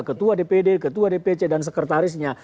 ketua dpd ketua dpc dan sekretarisnya